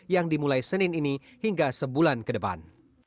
yang dimulai senin ini hingga sebulan ke depan